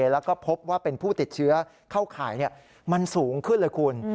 แล้วก็พบว่าเป็นผู้ติดเชื้อเข้าข่ายมันสูงขึ้นเลยคุณ